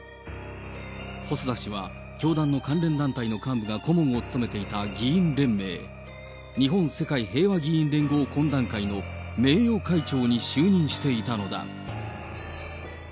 細田氏は、教団の関連団体の幹部が顧問を務めていた議員連盟、日本・世界平和議員連合懇談会の名誉会長に就任していたのだ。